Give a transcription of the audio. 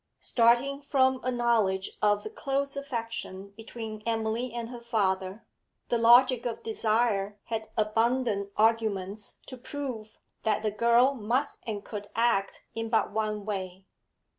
Starting from a knowledge of the close affection between Emily and her father, the logic of desire had abundant arguments to prove that the girl must and could act in but one way.